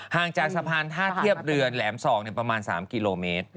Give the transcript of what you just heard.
ห่างจากสะพานท่าเทียบเรือนแหลมศอกประมาณ๓กิโลเมตร